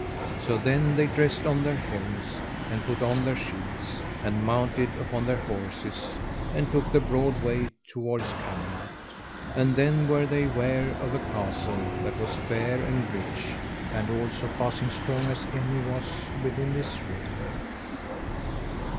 So then they dressed on their helms and put on their shields, and mounted upon their horses, and took the broad way towards Camelot. And then were they ware of a castle that was fair and rich, and also passing strong as any was within this realm.